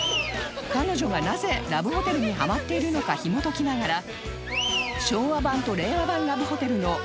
彼女がなぜラブホテルにハマっているのかひもときながら昭和版と令和版ラブホテルの名建築っぷりを鑑賞します